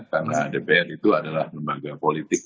karena dpr itu adalah lembaga politik